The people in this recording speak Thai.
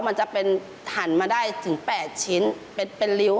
มันจะเป็นหันมาได้ถึง๘ชิ้นเป็นริ้ว